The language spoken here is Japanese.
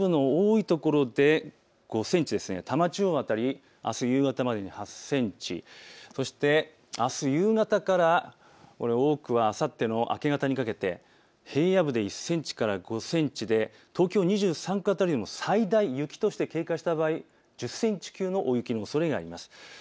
平野部の多いところで５センチ、多摩地方の辺りあす夕方までに８センチ、そしてあす夕方から多くはあさっての明け方にかけて平野部で１センチから５センチで東京２３区辺りでも最大雪として経過した場合１０センチ級の大雪のおそれがあります。